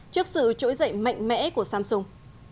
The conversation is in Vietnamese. trước sự trỗi dậy mạnh mẽ của samsung